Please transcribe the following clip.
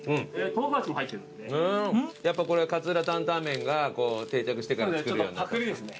やっぱこれ勝浦タンタンメンが定着してから作るようになったんですか。